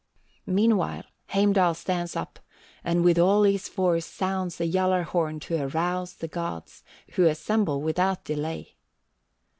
65. "Meanwhile Heimdall stands up, and with all his force sounds the Gjallar horn to arouse the gods, who assemble without delay.